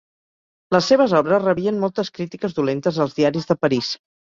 Les seves obres rebien moltes crítiques dolentes als diaris de París.